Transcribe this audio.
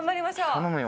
頼むよ